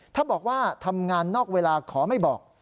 ถ้าบอกว่าทำงานนอกเวลาขอไม่บอก